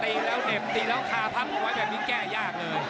หาตีแล้วกำตีแล้วคลาพักมาไวนี้แก้ยากเลย